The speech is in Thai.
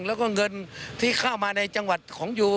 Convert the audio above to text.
แล้วก็เงินที่เข้ามาในจังหวัดของยู